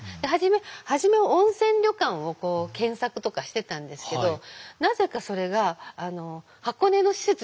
初めは温泉旅館を検索とかしてたんですけどなぜかそれが箱根の施設にたどりついたんです。